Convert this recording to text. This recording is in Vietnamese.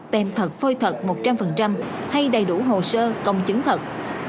tem thật phơi thật một trăm linh hay đầy đủ hồ sơ công chứng thật